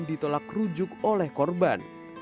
ditolak rujuk oleh korban